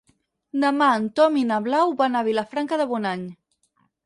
Demà en Tom i na Blau van a Vilafranca de Bonany.